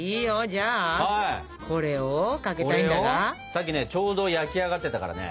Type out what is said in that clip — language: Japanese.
さっきねちょうど焼き上がってたからね。